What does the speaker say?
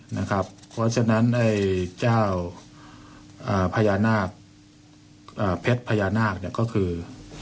นะครับเพราะฉะนั้นไอ้เจ้าอ่าพญานาคอ่าเพชรพญานาคเนี่ยก็คือ